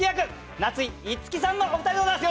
夏井いつきさんのお二人でございます！